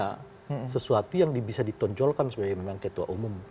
karena sesuatu yang bisa ditonjolkan sebagai memang ketua umum